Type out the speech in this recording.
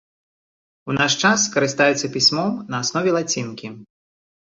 У наш час карыстаюцца пісьмом на аснове лацінкі.